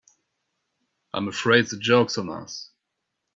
I'm afraid the joke's on us.